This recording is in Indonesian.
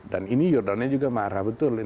dan ini yordania juga marah betul